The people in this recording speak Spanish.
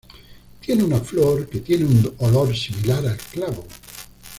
Tiene una flor que tiene un olor similar al clavo.